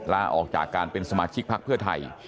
ลาออกจากการเป็นสมาชิกพักเพื่อไทย